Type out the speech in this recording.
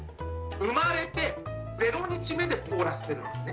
生まれて０日目で凍らせてるんですね。